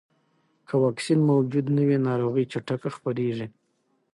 که واکسین موجود نه وي، ناروغي چټکه خپرېږي.